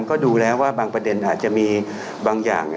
ก็ดูแล้วว่าบางประเด็นอาจจะมีบางอย่าง